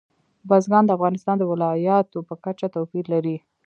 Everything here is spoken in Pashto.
بزګان د افغانستان د ولایاتو په کچه توپیر لري.